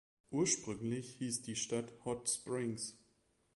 Ursprünglich hieß die Stadt "Hot Springs".